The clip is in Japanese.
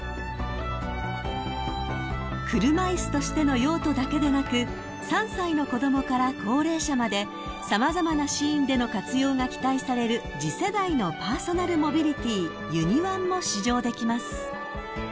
［車椅子としての用途だけでなく３歳の子供から高齢者まで様々なシーンでの活用が期待される次世代のパーソナルモビリティＵＮＩ−ＯＮＥも試乗できます］